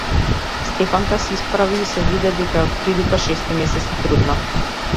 Стефанка се исправи и се виде дека е отприлика шести месец трудна.